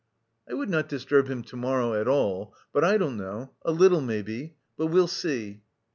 "I would not disturb him to morrow at all, but I don't know... a little, maybe... but we'll see."